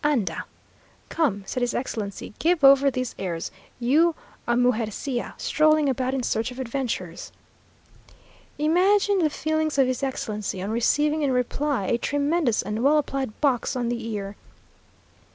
"Anda!" (Come!) said his Excellency, "give over these airs you, a mugercilla, strolling about in search of adventures." Imagine the feelings of his Excellency, on receiving in reply a tremendous and well applied box on the ear!